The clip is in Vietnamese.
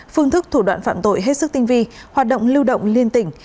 phương thức thủ đoạn phạm tội hết sức tinh vi hoạt động lưu động liên tỉnh